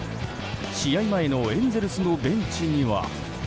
試合前のエンゼルスのベンチには。